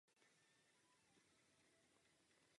Nesprávně prováděná dieta může být i zdraví nebezpečná.